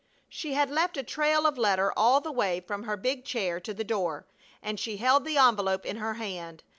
She had left a trail of letter all the way from her big chair to the door, and she held the envelope in her hand.